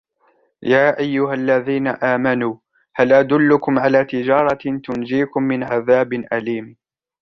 يَا أَيُّهَا الَّذِينَ آمَنُوا هَلْ أَدُلُّكُمْ عَلَى تِجَارَةٍ تُنْجِيكُمْ مِنْ عَذَابٍ أَلِيمٍ